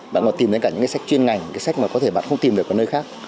bạn còn tìm đến cả những cái sách chuyên ngành cái sách mà có thể bạn không tìm được ở nơi khác